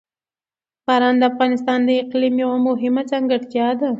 باران د افغانستان د اقلیم یوه مهمه ځانګړتیا ده.